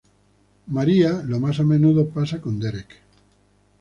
María lo más a menudo pasa con Derek.